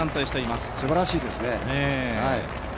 すばらしいですね。